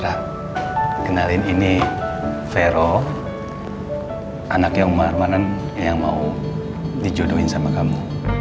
rara kenalin ini verro anak yang maharmanan yang mau dijodohin sama kamu